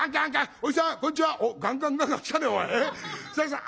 「おじさん